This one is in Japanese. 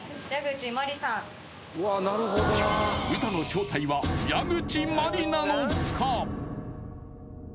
ウタの正体は矢口真里なのか？